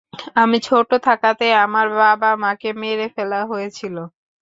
আমি ছোট থাকাতে আমার বাবা-মাকে মেরে ফেলা হয়েছিল।